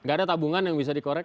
gak ada tabungan yang bisa dikorek